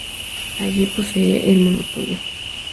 Allí posee el monopolio.